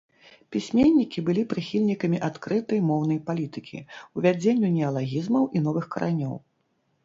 Пісьменнікі былі прыхільнікамі адкрытай моўнай палітыкі, увядзенню неалагізмаў і новых каранёў.